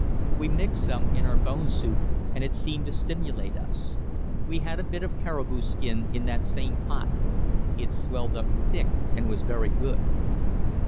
We mixed some in our bone soup and it seemed to stimulate us. We had a bit of caribou skin in that same pot. It swelled up thick and was very good.